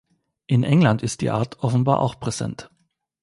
In England ist die Art offenbar auch präsent.